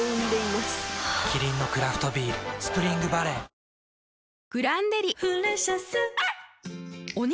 キリンのクラフトビール「スプリングバレー」吉備津彦さま。